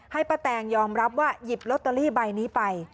ป้าแตงยอมรับว่าหยิบลอตเตอรี่ใบนี้ไป